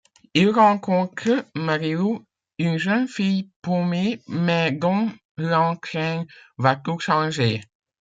Il rencontre Marylou, une jeune fille paumée mais dont l’entrain va tout changer.